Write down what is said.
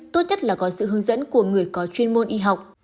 tốt nhất là có sự hướng dẫn của người có chuyên môn y học